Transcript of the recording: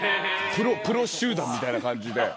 プロ集団みたいな感じで。